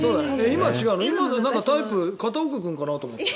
今、タイプ片岡君かなと思って。